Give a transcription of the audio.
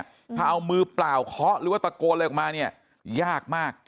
ถ้าเอามือเปล่าเคาะหรือว่าตะโกนอะไรออกมาเนี่ยยากมาก